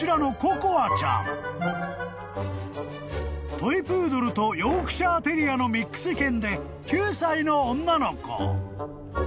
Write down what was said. ［トイプードルとヨークシャーテリアのミックス犬で９歳の女の子］